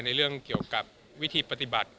ในเรื่องเกี่ยวกับวิธีปฏิบัติ